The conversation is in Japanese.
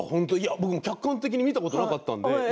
客観的に見たことなかったんです。